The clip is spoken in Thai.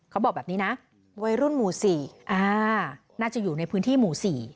เขาบอกแบบนี้นะวัยรุ่นหมู่๔น่าจะอยู่ในพื้นที่หมู่๔